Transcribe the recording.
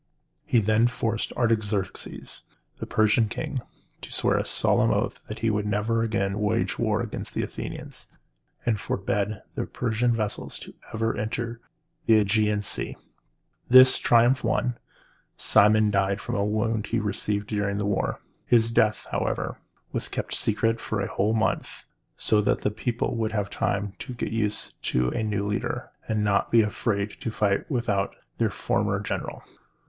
He then forced Artaxerxes, the Persian king, to swear a solemn oath that he would never again wage war against the Athenians, and forbade the Persian vessels ever to enter the Ægean Sea. [Illustration: Pericles.] These triumphs won, Cimon died from the wounds he had received during the war. His death, however, was kept secret for a whole month, so that the people would have time to get used to a new leader, and not be afraid to fight without their former general.